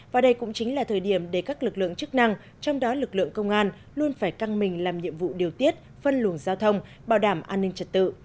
và đây cũng chính là thời điểm để các lực lượng chức năng trong đó lực lượng công an luôn phải căng mình làm nhiệm vụ điều tiết phân luồng giao thông bảo đảm an ninh trật tự